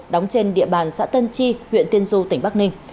đóng trên địa bàn xã tân chi huyện tiên du tỉnh bắc ninh